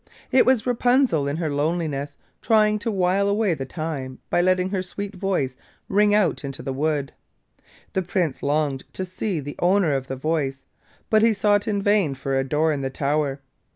It was Rapunzel in her loneliness trying to while away the time by letting her sweet voice ring out into the wood. The Prince longed to see the owner of the voice, but he sought in vain for a door in the tower.